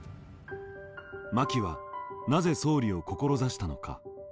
真木はなぜ総理を志したのか。